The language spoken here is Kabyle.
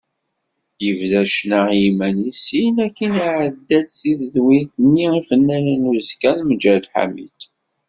Yebda ccna i yiman-is, syin akkin iɛedda-d deg tedwilt-nni Ifennanen n uzekka n Mǧahed Ḥamid.